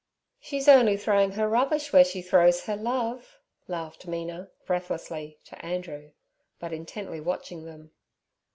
'She's only throwin' 'er rubbish w'ere she throws her love' laughed Mina, breathlessly, to Andrew, but intently watching them.